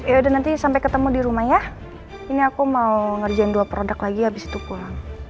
yaudah nanti sampai ketemu di rumah ya ini aku mau ngerjain dua produk lagi habis itu pulang